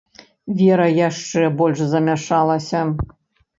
Вера яшчэ больш замяшалася.